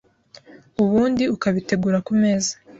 ubundi ukabitegura ku meza